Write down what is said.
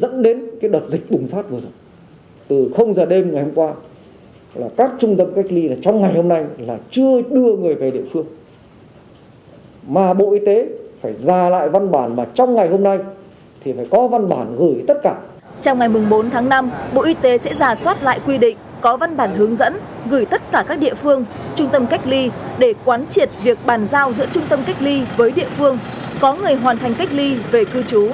trong khi đó công tác bàn giao giữa trung tâm cách ly với địa phương có người hoàn thành cách ly về cư trú